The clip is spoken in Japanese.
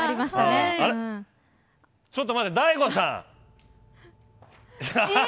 ちょっと待って、大悟さん！